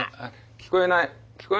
聞こえない。